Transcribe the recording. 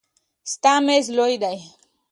ستا میز لوی دی.